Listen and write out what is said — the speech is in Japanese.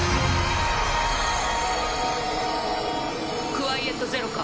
クワイエット・ゼロか？